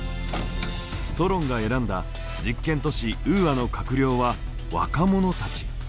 ソロンが選んだ実験都市ウーアの閣僚は若者たち。